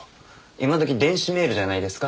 今時電子メールじゃないですか？